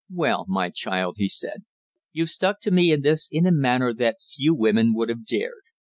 "Well, my child," he said, "you've stuck to me in this in a manner that few women would have dared.